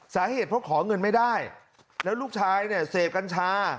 สาเหตุเพราะขอเงินไม่ได้แล้วลูกชายเนี่ยเสพกัญชา